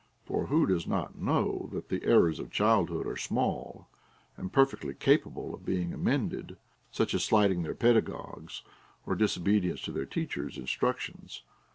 For who does not know that the errors of childhood are small, and perfectly capable of being amended ; such as slighting their pedagogues, or disobedience to their teachers' instructions.